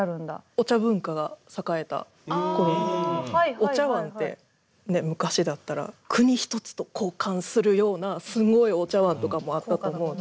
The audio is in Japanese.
お茶文化が栄えた頃お茶碗って昔だったら国一つと交換するようなすごいお茶碗とかもあったと思うんで。